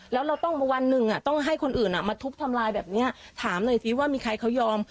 แล้วเราต้องมาวันหนึ่งต้องให้คนอื่นมาทุบทำลายแบบนี้ถามหน่อยสิว่ามีใครเขายอม